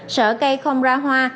sợ cây không ra hoa